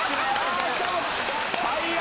「最悪！」